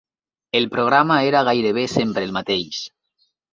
El programa era gairebé sempre el mateix.